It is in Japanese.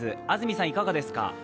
安住さん、いかがですか。